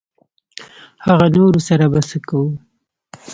هغه نورو سره به څه کوو.